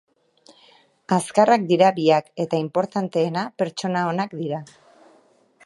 Azkarrak dira biak, eta inportanteena, pertsona onak dira.